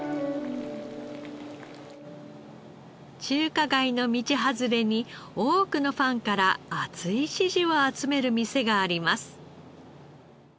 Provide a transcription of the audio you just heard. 中華街の道外れに多くのファンから熱い支持を集める店があります。